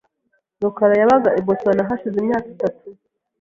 rukara yabaga i Boston hashize imyaka itatu .